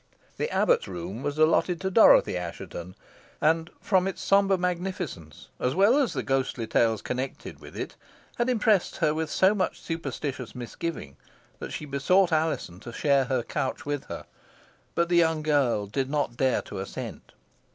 The abbot's room was allotted to Dorothy Assheton; and from its sombre magnificence, as well as the ghostly tales connected with it, had impressed her with so much superstitious misgiving, that she besought Alizon to share her couch with her, but the young girl did not dare to assent.